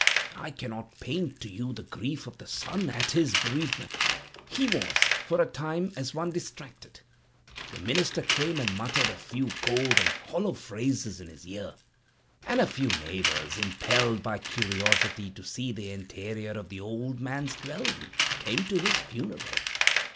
I cannot paint to you the grief of the son at his bereavement. He was, for a time, as one distracted. The minister came and muttered a few cold and hollow phrases in his ear, and a few neighbors, impelled by curiosity to see the interior of the old man's dwelling, came to his funeral.